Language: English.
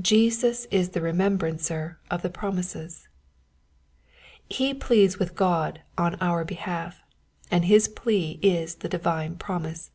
Jesus is the Remembrancer of the promises. He pleads with God on our behalf, and his plea is the divine promise.